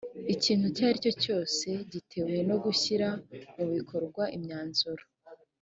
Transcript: ikintu icyo ari cyo cyose gitewe no gushyira mu bikorwa imyanzuro